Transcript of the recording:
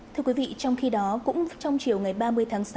thưa quý vị trong khi đó cũng trong chiều ngày ba mươi tháng sáu